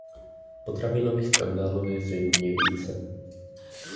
Potravinových skandálů je zřejmě více.